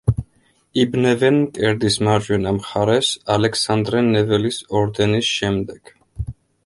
იბნევენ მკერდის მარჯვენა მხარეს ალექსანდრე ნეველის ორდენის შემდეგ.